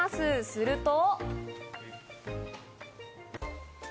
すると。